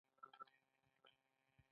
د پانګې دې برخې ته متغیره پانګه ویل کېږي